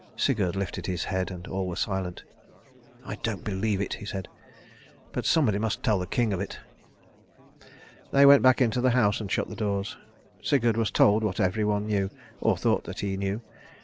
Sigurd lifted his head, and all were silent. "I don't believe it," he said, "but somebody must tell the king of it." They went back into the house and shut the doors. Sigurd was told what every one knew, or thought that he knew.